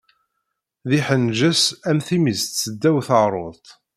D iḥenges am timmist seddaw teɣṛuḍt.